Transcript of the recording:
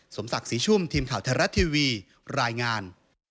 สมศักดิ์ศรีชุ่มทีมข่าวไทยรัฐทีวีรายงาน